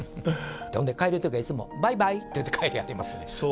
ほんで帰る時はいつも「バイバイ」って言うて帰りはりますねん。